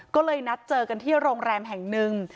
ก็เลยนัดเจอกันที่โรงแรมแห่งหนึ่ง